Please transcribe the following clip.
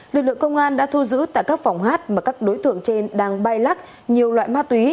lực lượng công an đã thu giữ tại các phòng hát mà các đối tượng trên đang bay lắc nhiều loại ma túy